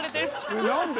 えっ何で？